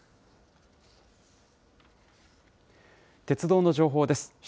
鉄道の情報です。